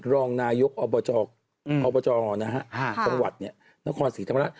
อรองนายุคออสัมวัติเนี่ยนศธรรมรัฐ